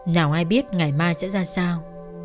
nào ai biết ngày mai sẽ ra sao